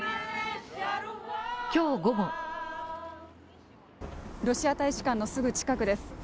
今日午後ロシア大使館のすぐ近くです。